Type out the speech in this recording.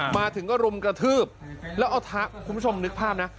มาถึงก็รุมกระทืบแล้วเอาเท้าคุณผู้ชมนึกภาพนะ